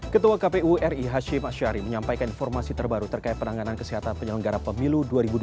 ketua kpu ri hashim ashari menyampaikan informasi terbaru terkait penanganan kesehatan penyelenggara pemilu dua ribu dua puluh